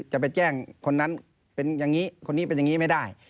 จะไปแจ้งคนนั้นเป็นอย่างนี้คนนี้เป็นอย่างนี้ไม่ได้